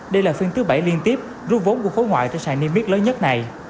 đây là phiên tứ bảy liên tiếp rút vốn của khối ngoại trên sàn nimitz lớn nhất này